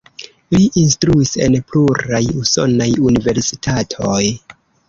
Li instruis en pluraj usonaj universitatoj.